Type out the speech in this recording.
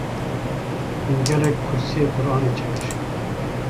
min gelek kursîyê Qur’anê çê kir.